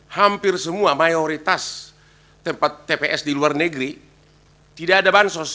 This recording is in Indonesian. hampir semua mayoritas tempat tps di luar negeri tidak ada bansos